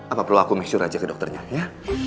apa perlu aku make sure aja ke dokternya ya